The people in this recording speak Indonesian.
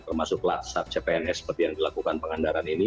termasuk laksa cpns seperti yang dilakukan pangandaran ini